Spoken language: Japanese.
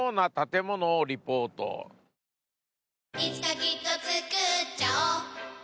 いつかきっとつくっちゃおう